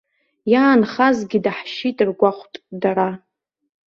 Иаанхазгьы даҳшьит ргәахәт дара.